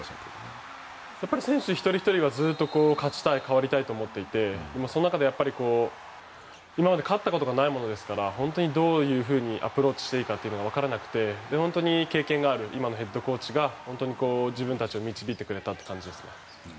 選手一人ひとりはずっと勝ちたい、変わりたいと思っていましてその中で今まで勝ったことがないものですから本当にどういうふうにアプローチしていいかというのがわからなくて本当に経験がある今のヘッドコーチが自分たちを導いてくれたという感じですね。